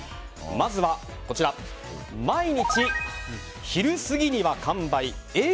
まずは、毎日昼過ぎには完売